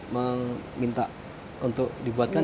meminta untuk dibuatkan